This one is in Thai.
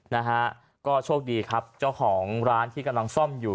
นะฮะก็โชคดีครับเจ้าของร้านที่กำลังซ่อมอยู่